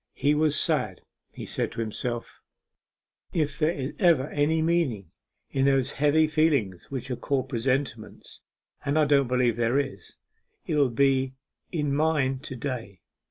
He was sad; he said to himself 'If there is ever any meaning in those heavy feelings which are called presentiments and I don't believe there is there will be in mine to day....